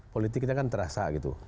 politiknya kan terasa